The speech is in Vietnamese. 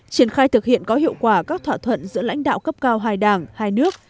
triển khai thực hiện có hiệu quả các thỏa thuận giữa lãnh đạo cấp cao hai đảng hai nước